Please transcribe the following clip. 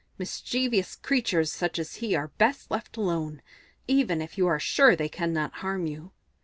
Mischievous creatures such as he are best left alone, even if you are sure they cannot harm you.